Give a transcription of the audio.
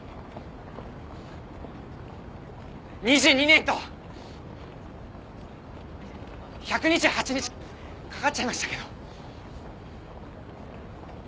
２２年と１２８日かかっちゃいましたけど。